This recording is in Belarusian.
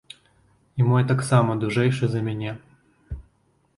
І мой таксама дужэйшы за мяне.